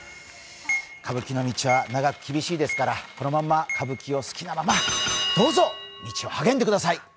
歌舞伎の道は長く厳しいですからこのまま歌舞伎を好きなままどうぞ道をはげんでください。